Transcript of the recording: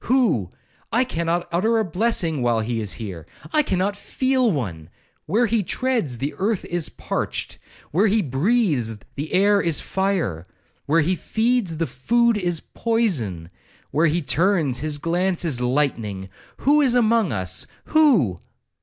—Who?—I cannot utter a blessing while he is here. I cannot feel one. Where he treads, the earth is parched!—Where he breathes, the air is fire!—Where he feeds, the food is poison!—Where he turns, his glance is lightning!—Who is among us?—Who?'